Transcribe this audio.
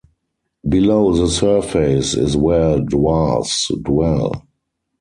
Below the surface is where dwarves dwell.